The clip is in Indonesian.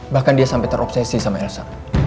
bahkan dia sampai terobsesi sama elsa